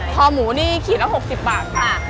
พอหมูนี่ข่ีนก็ส่อกสิบบาท